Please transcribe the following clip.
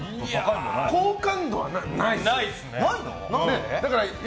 好感度はないですよ。